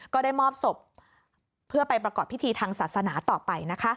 ก็ได้มอบศพเพื่อไปประกอบพิธีทางศาสนาต่อไปนะคะ